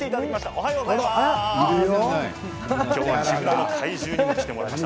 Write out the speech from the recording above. おはようございます。